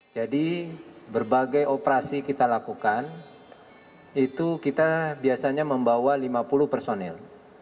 jadi berbagai operasi kita lakukan itu kita biasanya membawa lima puluh personil